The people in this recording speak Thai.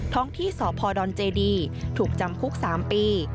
ที่สพดเจดีถูกจำคุก๓ปี